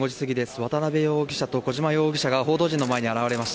渡辺容疑者と小島容疑者が報道陣の前に現れました。